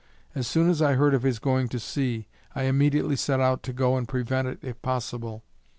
As soon as I heard of his going to sea, I immediately set out to go and prevent it if possible.